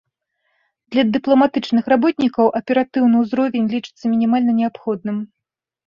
Для дыпламатычных работнікаў аператыўны ўзровень лічыцца мінімальна неабходным.